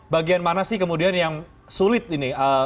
bagian mana sih kemudian yang sulit ini